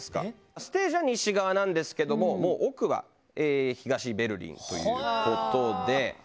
ステージは西側なんですけどももう奥は東ベルリンということで。